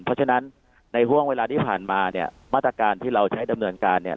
เพราะฉะนั้นในห่วงเวลาที่ผ่านมาเนี่ยมาตรการที่เราใช้ดำเนินการเนี่ย